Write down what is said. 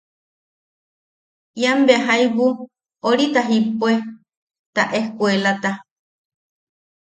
Ian bea jaibu orita jippue ya eskuelata.